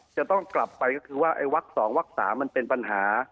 จะต้องกลับไปก็คือว่าไอ้วัก๒วัก๓มันเป็นปัญหา